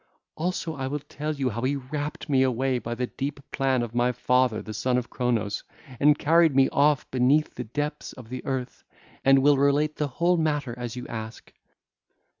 Also I will tell how he rapt me away by the deep plan of my father the Son of Cronos and carried me off beneath the depths of the earth, and will relate the whole matter as you ask.